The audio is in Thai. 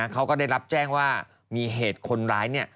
เขาก็ได้รับแจ้งว่ามีเหตุคนร้าย